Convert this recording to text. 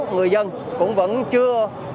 người dân cũng vẫn chưa